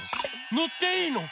のっていいの？